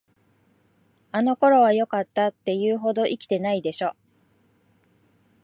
あの頃はよかった、って言うほど生きてないでしょ。